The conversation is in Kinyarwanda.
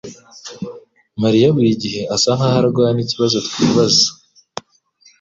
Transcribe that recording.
mariya buri gihe asa nkaho arwana ikibazo twibaza